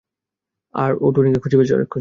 আর ও টনিকে খুঁজে বেড়াচ্ছে।